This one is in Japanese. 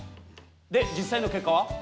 で実際の結果は？